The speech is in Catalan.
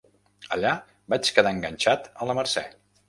Allà vaig quedar enganxat a la Mercè.